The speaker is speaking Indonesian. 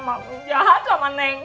malu jahat sama neng